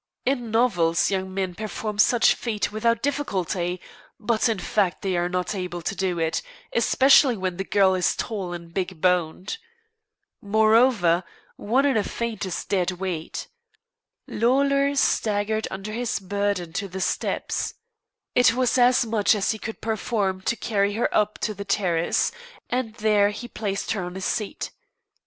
In novels young men perform such a feat without difficulty; but in fact they are not able to do it, especially when the girl is tall and big boned. Moreover, one in a faint is a dead weight. Lawlor staggered under his burden to the steps. It was as much as he could perform to carry her up to the terrace, and there he placed her on a seat.